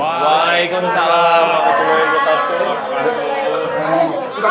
waalaikumsalam warahmatullahi wabarakatuh